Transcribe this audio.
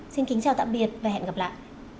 xin kính chào tạm biệt và hẹn gặp lại